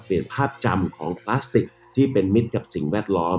ภาพจำของพลาสติกที่เป็นมิตรกับสิ่งแวดล้อม